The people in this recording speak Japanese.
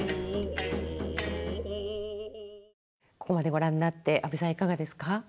ここまでご覧になって安部さんいかがですか？